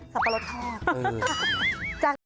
สับปะรดทอด